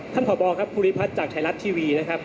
ท่านผอบอครับภูริพัฒน์จากชายรัฐทีวีนะครับ